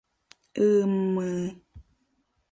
Ы-ы-м-ы-ы...